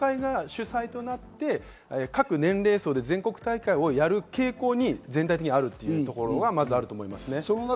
日本は協会が主催となって各年齢層で、全国大会をやる傾向に全体的にあるというところはまずあると思います。